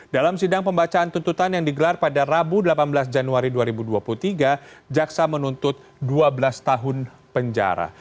dalam sidang pembacaan tuntutan yang digelar pada rabu delapan belas januari dua ribu dua puluh tiga jaksa menuntut dua belas tahun penjara